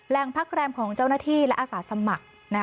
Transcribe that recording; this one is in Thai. พักแรมของเจ้าหน้าที่และอาสาสมัคร